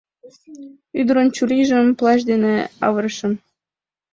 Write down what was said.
Ӱдырын чурийжым плащ дене авырышым.